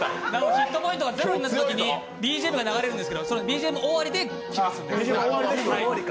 ヒットポイントがゼロになったときにＢＧＭが流れるんですがそのＢＧＭ終わりでビリビリが来ますので。